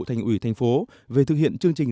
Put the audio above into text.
thành ủy thành phố về thực hiện chương trình